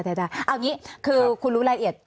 เอาอย่างงี้คือคุณรู้รายละเอียด